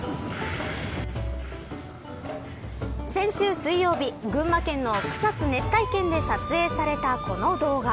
先週水曜日群馬県の草津熱帯圏で撮影されたこの動画。